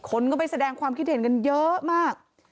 คนก็ไปแสดงความคิดเห็นกันเยอะมาก